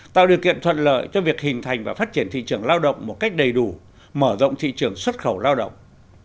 tạo điều kiện thuận lợi cho việc hình thành và phát triển thị trường lao động một cách đầy đủ mở rộng thị trường xuất khẩu lao động